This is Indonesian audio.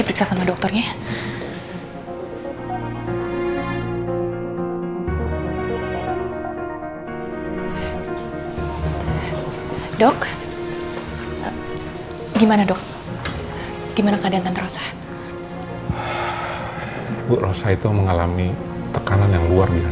perasaan saya lebih senang